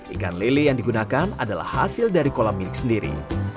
ikan lele yang digunakan adalah hasil dari kolam milik sendiri